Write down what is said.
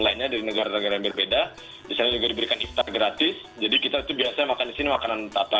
lainnya dari negara negara yang berbeda bisa juga diberikan cipta gratis jadi kita itu biasa makan